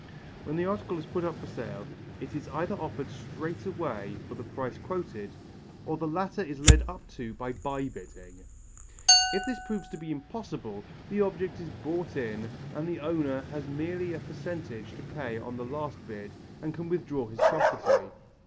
When the article is put up for sale it is either offered straight away for the price quoted or the latter is led up to by by bidding. If this proves to be impossible, the object is bought in and the owner has merely a slight percentage to pay on the last bid and can withdraw his property.